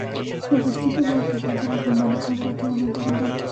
Los vestigios de la presencia musulmana son relativamente abundantes.